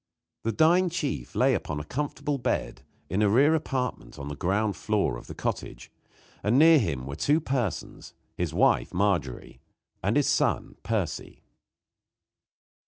The dying chief lay upon a comfortable bed, in a rear apartment on the ground floor of the cottage, and near him were two persons his wife, Margery, and his son, Percy.